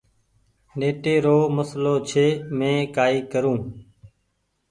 نيٽي رو مسلو ڇي مينٚ ڪآئي ڪرون